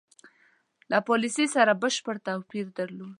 له پالیسی سره بشپړ توپیر درلود.